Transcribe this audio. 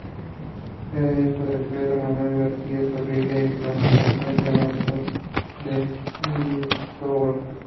Era hijo de Pedro Manuel García Zorrilla y Francisca Antonia Alonso de Huidobro.